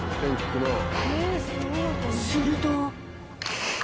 すると。